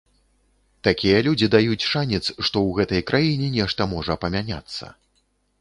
Такія людзі даюць шанец, што ў гэтай краіне нешта можа памяняцца.